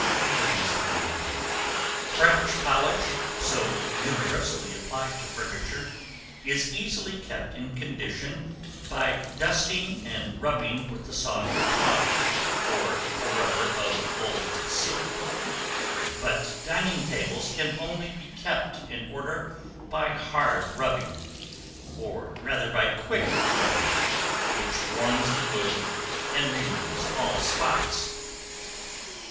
2179. French polish, so universally applied to furniture, is easily kept in condition by dusting and rubbing with a soft cloth, or a rubber of old silk; but dining tables can only be kept in order by hard rubbing, or rather by quick rubbing, which warms the wood and removes all spots.